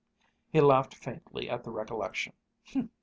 He laughed faintly at the recollection.